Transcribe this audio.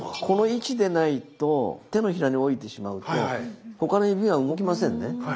この位置でないと手のひらにおいてしまうと他の指が動きませんね。